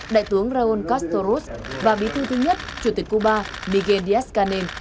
đại tướng raul castoros và bí thư thứ nhất chủ tịch cuba miguel díaz canel